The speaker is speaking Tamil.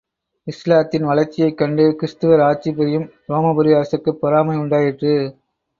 இஸ்லாத்தின் வளர்ச்சியைக் கண்டு, கிறிஸ்துவர் ஆட்சி புரியும் ரோமாபுரி அரசுக்குப் பொறாமை உண்டாயிற்று.